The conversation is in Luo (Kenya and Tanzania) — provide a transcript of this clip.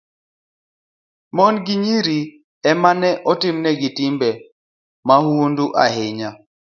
Mon gi nyiri e ma itimonegi timbe mahundu ahinya